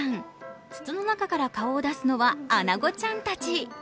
筒の中から顔を出すのはあなごちゃんたち。